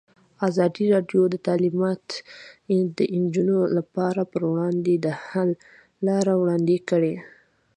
ازادي راډیو د تعلیمات د نجونو لپاره پر وړاندې د حل لارې وړاندې کړي.